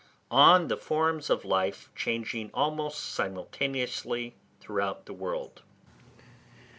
_On the Forms of Life changing almost simultaneously throughout the World.